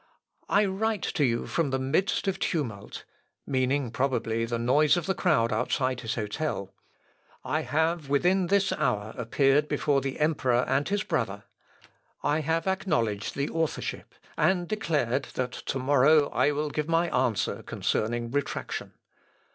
"I write you from the midst of tumult, (meaning, probably, the noise of the crowd outside his hotel;) I have, within this hour, appeared before the emperor and his brother. I have acknowledged the authorship, and declared that to morrow I will give my answer concerning retractation.